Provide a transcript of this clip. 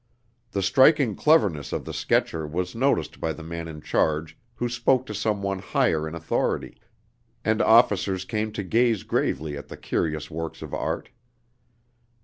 The striking cleverness of the sketcher was noticed by the man in charge who spoke to some one higher in authority; and officers came to gaze gravely at the curious works of art.